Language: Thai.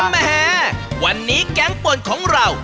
แหมวันนี้แก๊งป่วนของเรา